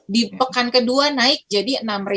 di pekan kedua naik jadi enam tiga ratus